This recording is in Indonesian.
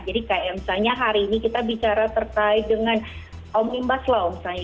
jadi kayak misalnya hari ini kita bicara terkait dengan om imbas